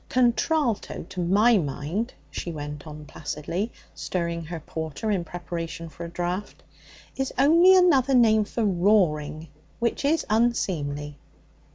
Contralto, to my mind,' she went on placidly, stirring her porter in preparation for a draught, 'is only another name for roaring, which is unseemly.'